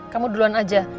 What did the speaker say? kamu duluan aja